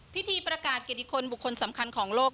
พิธีประกาศเกียรติคนบุคคลสำคัญของโลก